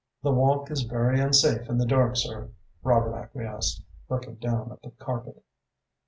"The walk is very unsafe in the dark, sir," Robert acquiesced, looking down at the carpet.